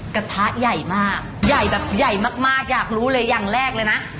กระทะใหญ่มากใหญ่แบบใหญ่มากอยากรู้เลยอย่างแรกเลยนะ